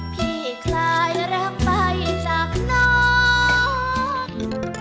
คลายรักไปจากน้อง